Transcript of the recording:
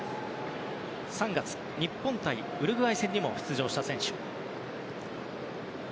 ３月、日本対ウルグアイ戦にも出場した選手。